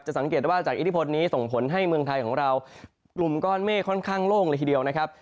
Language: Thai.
สังเกตว่าจากอิทธิพลนี้ส่งผลให้เมืองไทยของเรากลุ่มก้อนเมฆค่อนข้างโล่งเลยทีเดียวนะครับ